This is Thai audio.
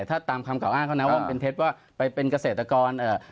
ถ้าตามคำกล่าอ้างเขานะว่ามันเป็นเท็จว่าไปเป็นเกษตรกรเอ่อ